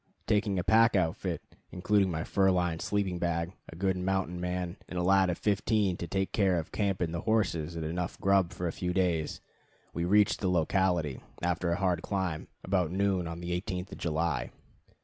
Taking a pack outfit, including my fur lined sleeping bag, a good mountain man, and a lad of fifteen to take care of camp and the horses, and enough grub for a few days, we reached the locality, after a hard climb, about noon on the 18th of July.